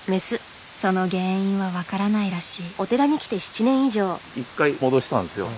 その原因は分からないらしい。